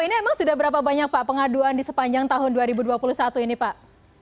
ini emang sudah berapa banyak pak pengaduan di sepanjang tahun dua ribu dua puluh satu ini pak